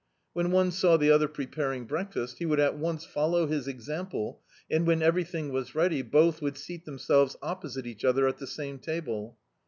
When one saw the other preparing breakfast, he would at once follow his example and when everything was ready, both would seat themselves opposite each other at the same table.